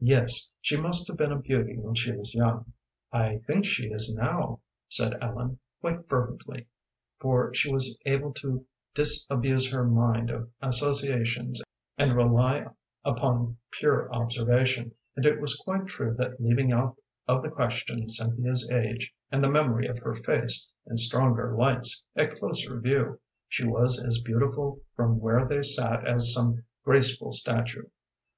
"Yes, she must have been a beauty when she was young." "I think she is now," said Ellen, quite fervently, for she was able to disabuse her mind of associations and rely upon pure observation, and it was quite true that leaving out of the question Cynthia's age and the memory of her face in stronger lights at closer view, she was as beautiful from where they sat as some graceful statue.